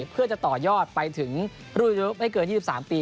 เพื่อจะต่อยอดไปถึงรุ่นไม่เกิน๒๓ปี